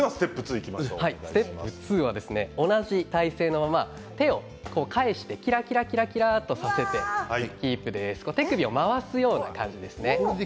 ステップ２は同じ体勢のまま手を返してキラキラさせて手首を回すような感じですね